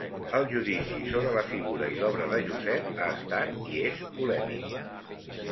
El judici sobre la figura i l'obra de Josep ha estat i és polèmic.